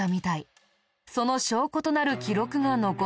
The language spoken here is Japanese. その証拠となる記録が残っているよ。